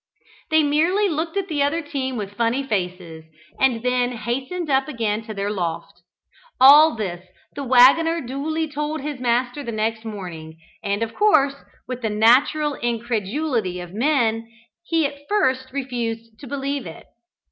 They merely looked at the other team with funny faces, and then hastened up again to their loft. All this the waggoner duly told his master next morning, and, of course, with the natural incredulity of man, he at first refused to believe it.